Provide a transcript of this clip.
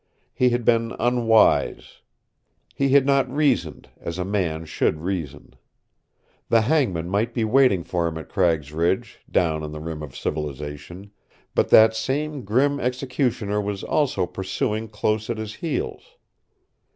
He had been unwise. He had not reasoned as a man should reason. The hangman might be waiting for him at Cragg's Ridge, down on the rim of civilization, but that same grim executioner was also pursuing close at his heels.